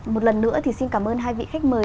một lần nữa thì xin cảm ơn hai vị khách mời